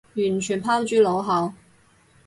完全拋諸腦後